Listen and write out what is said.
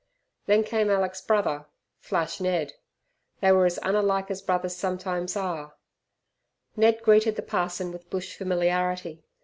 Then came Alick's brother, "Flash" Ned; they were as unlike as brothers sometimes are Ned greeted the parson with bush familiarity.